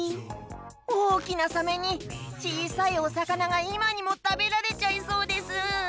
おおきなサメにちいさいおさかながいまにもたべられちゃいそうです。